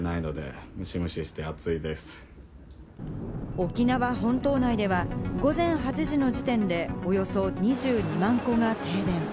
沖縄本島内では、午前８時の時点でおよそ２２万戸が停電。